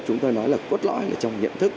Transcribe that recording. chúng tôi nói là cốt lõi trong nhận thức